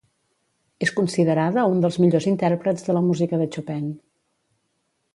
És considerada un dels millors intèrprets de la música de Chopin.